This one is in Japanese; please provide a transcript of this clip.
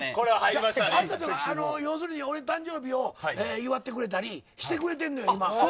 要するに俺の誕生日を祝ってくれたりしてくれてんのよ。